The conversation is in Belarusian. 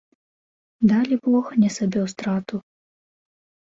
Далібог не сабе ў страту.